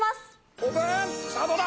オープン、さあどうだ。